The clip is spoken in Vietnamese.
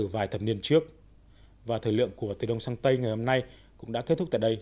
và thời lượng của tây đông sang tây ngày hôm nay cũng đã kết thúc tại đây